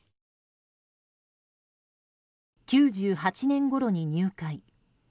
９８年ごろに入会。